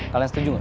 kalian setuju gak